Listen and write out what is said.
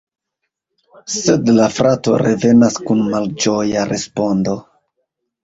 Sed la frato revenas kun malĝoja respondo.